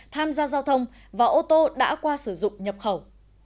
tham gia giao thông và ô tô đã qua sử dụng nhập khẩu